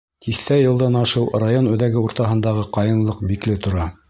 Тиҫтә йылдан ашыу район үҙәге уртаһындағы ҡайынлыҡ бикле тора.